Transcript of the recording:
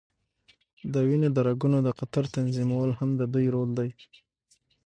د وینې د رګونو د قطر تنظیمول هم د دوی رول دی.